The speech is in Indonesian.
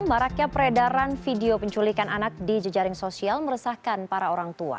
maraknya peredaran video penculikan anak di jejaring sosial meresahkan para orang tua